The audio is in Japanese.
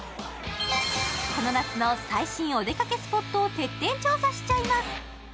この夏の最新お出かけスポットを徹底調査しちゃいます。